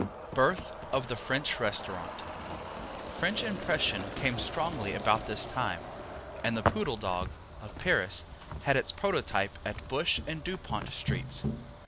Birth of the French Restaurant French impression came strongly about this time, and the Poodle Dog, of Paris, had its prototype at Bush and Dupont streets.